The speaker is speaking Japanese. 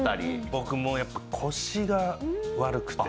僕もう、やっぱり腰が悪くて。